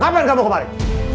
kapan kamu kemarin